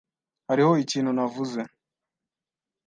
Hariho ikintu navuze.